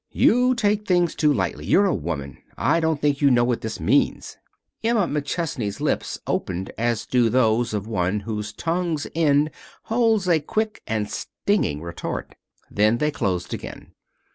You take things too lightly. You're a woman. I don't think you know what this means." Emma McChesney's lips opened as do those of one whose tongue's end holds a quick and stinging retort. Then they closed again.